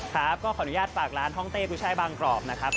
ครับก็ขออนุญาตฝากร้านห้องเต้กุ้ยช่ายบางกรอบนะครับ